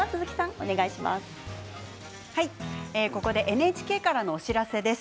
ＮＨＫからのお知らせです。